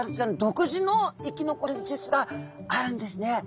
独自の生き残り術があるんですね。